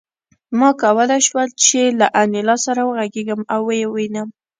ما کولای شول چې له انیلا سره وغږېږم او ویې وینم